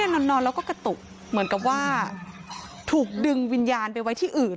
นอนแล้วก็กระตุกเหมือนกับว่าถูกดึงวิญญาณไปไว้ที่อื่น